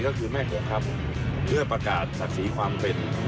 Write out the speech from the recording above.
ก็คือแม่หัวครับเพื่อประกาศศักดิ์ศรีความเป็น